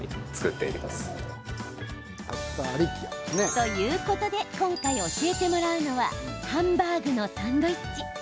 ということで今回教えてもらうのはハンバーグのサンドイッチ。